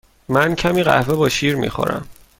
من کمی قهوه با شیر می خورم.